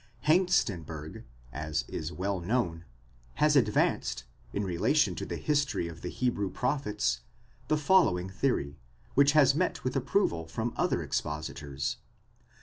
Hengstenberg, as is well known, has advanced, in relation to the history of the Hebrew prophets, the following theory, which has met with approval from other expositors.